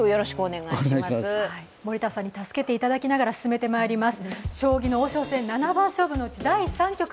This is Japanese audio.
森田さんに助けていただきながら進めてまいります。